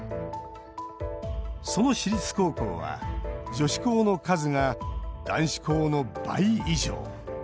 その私立高校は女子校の数が男子校の倍以上。